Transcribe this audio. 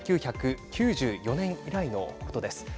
１９９４年以来のことです。